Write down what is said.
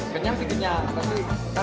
kenyang sih kenyang